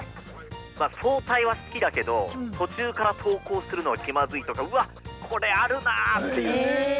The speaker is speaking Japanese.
まあ早退は好きだけど途中から登校するのは気まずいとかうわっこれあるなっていう感じだったんですよ。